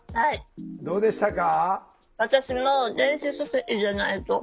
どうでしたか？